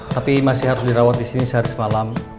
tapi masih harus dirawat di sini sehari semalam